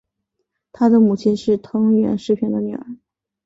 他的母亲是藤原时平的女儿。